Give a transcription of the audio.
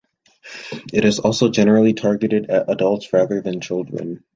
It is also generally targeted at adults, rather than children.